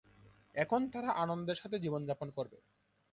এখন তারা আনন্দের সাথে জীবনযাপন করবে।